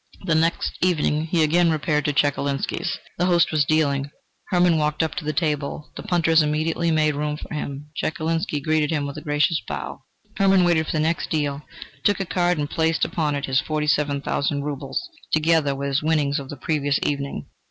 The next evening he again repaired to Chekalinsky's. The host was dealing. Hermann walked up to the table; the punters immediately made room for him. Chekalinsky greeted him with a gracious bow. Hermann waited for the next deal, took a card and placed upon it his forty seven thousand roubles, together with his winnings of the previous evening.